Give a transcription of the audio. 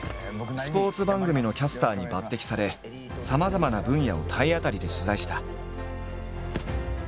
スポーツ番組のキャスターに抜てきされさまざまな分野を体当たりで取材した。